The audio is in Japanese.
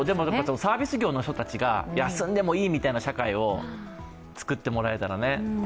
サービス業の人たちが休んでもいいみたいな社会をつくってくれたらね。